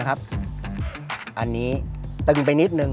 อันนี้ตึงไปนิดนึง